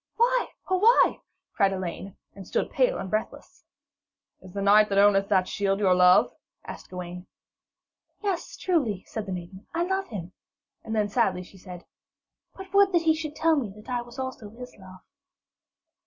'Why, oh why?' cried Elaine, and stood pale and breathless. 'Is the knight that owneth that shield your love?' asked Gawaine. 'Yes, truly,' said the maiden, 'I love him'; and then sadly she said, 'but would that he should tell me that I was also his love.'